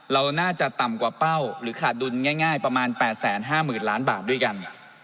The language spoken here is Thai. เราน่าจะต่ำกว่าเป้าหรือขาดดุลง่ายประมาณ๘๕๐๐๐ล้านบาทด้วยกัน